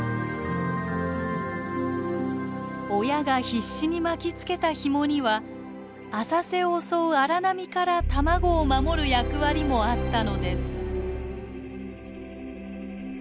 親が必死に巻きつけたヒモには浅瀬を襲う荒波から卵を守る役割もあったのです。